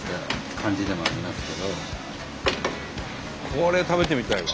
これ食べてみたいわ。